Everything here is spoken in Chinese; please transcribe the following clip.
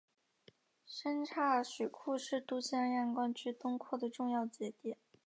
三岔水库是都江堰灌区东扩的重要节点。